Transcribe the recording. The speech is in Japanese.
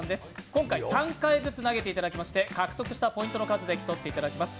今回、３回ずつ投げていただきまして獲得したポイントの数で競っていただきます。